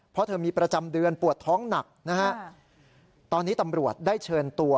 เพราะเธอมีประจำเดือนปวดท้องหนักนะฮะตอนนี้ตำรวจได้เชิญตัว